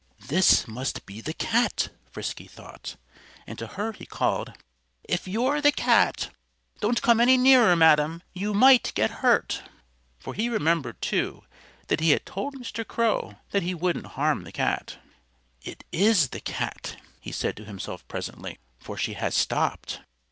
"This must be the cat," Frisky thought. And to her he called, "If you're the cat, don't come any nearer, madam! You might get hurt." For he remembered, too, that he had told Mr. Crow that he wouldn't harm the cat. "It is the cat," he said to himself presently, "for she has stopped."